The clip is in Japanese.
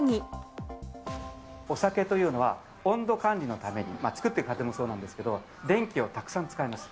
お酒というのは、温度管理のために作っている過程もそうなんですけれども、電気をたくさん使います。